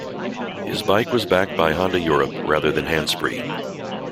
His bike was backed by Honda Europe rather than Hannspree.